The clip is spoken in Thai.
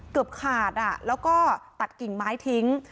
เกือบขาดแล้วก็ตัดกิ่งไม้ทิ้ง